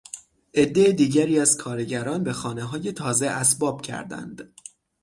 عدهٔ دیگری از کارگران به خانه های تازه اسباب کردند.